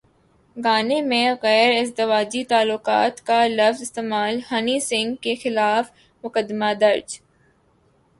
گانے میں غیر ازدواجی تعلقات کا لفظ استعمال ہنی سنگھ کے خلاف مقدمہ درج